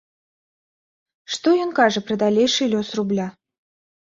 Што ён кажа пра далейшы лёс рубля?